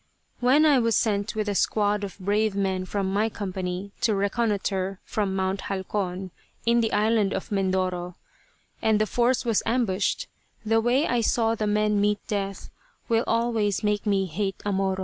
When I was sent with a squad of brave men from my company to reconnoitre from Mt. Halcon, in the Island of Mindoro, and the force was ambushed, the way I saw the men meet death will always make me hate a Moro.